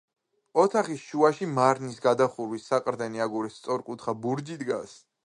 ოთახის შუაში მარნის გადახურვის საყრდენი აგურის სწორკუთხა ბურჯი დგას.